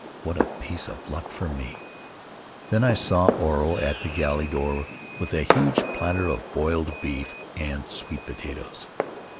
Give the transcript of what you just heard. What a piece of luck for me!" Then I saw Oro at the galley door with a huge platter of boiled beef and sweet potatoes.